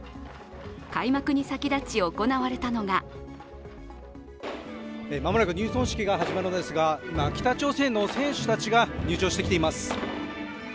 開幕に先立ち、行われたのが間もなく入村式が始まるのですが、今、北朝鮮の選手たちが入場してきています。